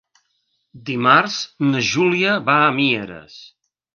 Dimarts na Júlia va a Mieres.